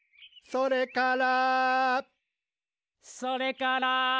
「それから」